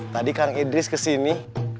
tadi kang idris kesini